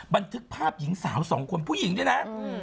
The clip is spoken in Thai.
บันทึกภาพหญิงสาวสองคนผู้หญิงด้วยนะ